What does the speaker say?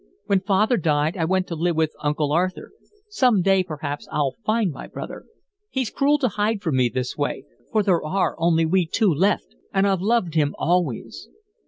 When father died, I went to live with Uncle Arthur some day, perhaps, I'll find my brother. He's cruel to hide from me this way, for there are only we two left and I've loved him always."